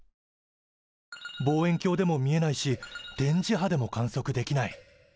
望遠鏡でも見えないし電磁波でも観測できない。